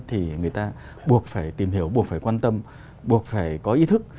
thì người ta buộc phải tìm hiểu buộc phải quan tâm buộc phải có ý thức